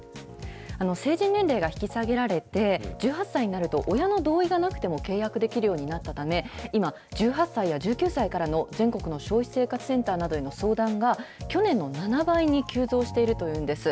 成人年齢が引き下げられて、１８歳になると親の同意がなくても契約できるようになったため、今、１８歳や１９歳からの全国の消費生活センターなどへの相談が、去年の７倍に急増しているというんです。